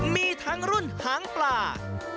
มีทั้งรุ่นหางปลา